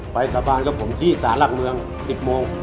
ไปสรรค์บ้านกับผมที่สรรค์หลักเมือง๑๐โมง